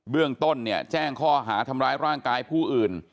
เรื่องต้นเนี่ยแจ้งข้อหาทำร้ายร่างกายผู้อื่น